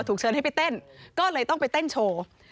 เชิญให้ไปเต้นก็เลยต้องไปเต้นโชว์